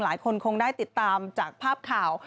หลายคนคงได้ติดตามจากภาพข่าว